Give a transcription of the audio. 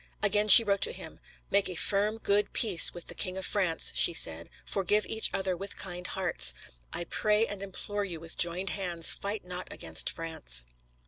Again she wrote to him: "Make a firm, good peace with the King of France," she said; "forgive each other with kind hearts"; "I pray and implore you, with joined hands, fight not against France."